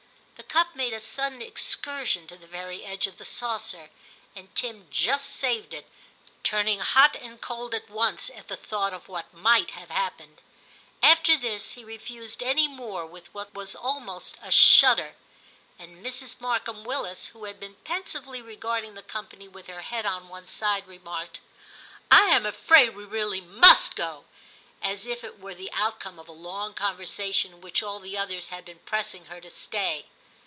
The cup made a sudden excursion to the very edge of the saucer, and Tim just saved it, turning hot and cold at once at the thought of what might have happened. After this, he refused any more with what was almost a shudder, and Mrs. Markham Willis, who had been pensively regarding the company with N 178 TIM CHAP. her head on one side, remarked, * I am afraid we really must go,* as if it were the outcome of a long conversation, in which all the others had been pressing her to stay.